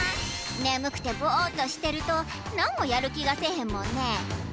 ねむくてボっとしてるとなんもやるきがせえへんもんね。